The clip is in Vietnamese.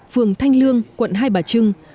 phường thanh lương quận hai bà trưng